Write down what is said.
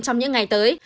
trong những ngày tới